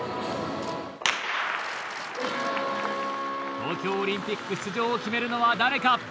東京オリンピック出場を決めるのは誰か。